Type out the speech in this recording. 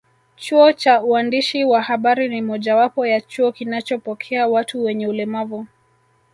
Chuo cha uandishi wa habari ni mojawapo ya chuo kinachopokea watu wenye ulemavu